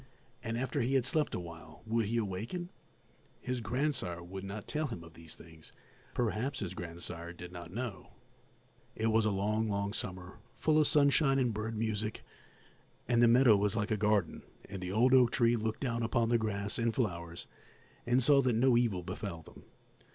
And after he had slept awhile would he awaken? His grandsire would not tell him of these things; perhaps his grandsire did not know. It was a long, long summer, full of sunshine and bird music, and the meadow was like a garden, and the old oak tree looked down upon the grass and flowers and saw that no evil befell them.